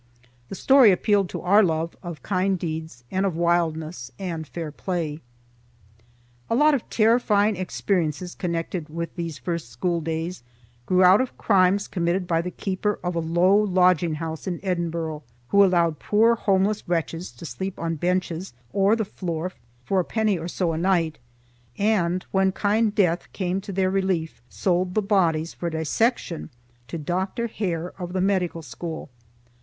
The story appealed to our love of kind deeds and of wildness and fair play. A lot of terrifying experiences connected with these first schooldays grew out of crimes committed by the keeper of a low lodging house in Edinburgh, who allowed poor homeless wretches to sleep on benches or the floor for a penny or so a night, and, when kind Death came to their relief, sold the bodies for dissection to Dr. Hare of the medical school.